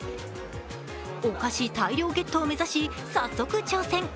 お菓子大量ゲットを目指し早速挑戦。